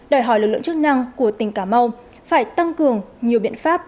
đòi hỏi lực lượng chức năng của tỉnh cà mau phải tăng cường nhiều biện pháp